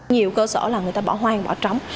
nhiều cơ sở là người ta bỏ hoang bỏ trống